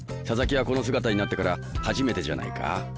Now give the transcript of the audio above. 佐々木はこの姿になってから初めてじゃないか？